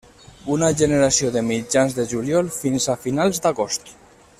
Una generació de mitjans de juliol fins a finals d'agost.